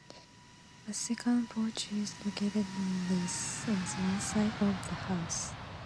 A second porch is located on one side of the house.